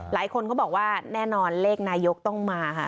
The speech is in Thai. หลายคนเขาบอกว่าแน่นอนเลขนายกต้องมาค่ะ